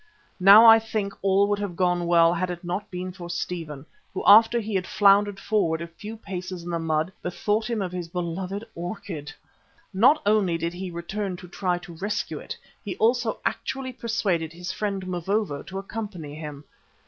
Now I think all would have gone well had it not been for Stephen, who after he had floundered forward a few paces in the mud, bethought him of his beloved orchid. Not only did he return to try to rescue it, he also actually persuaded his friend Mavovo to accompany him.